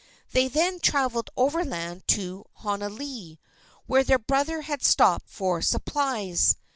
They then traveled overland to Honolii, where their brother had stopped for supplies.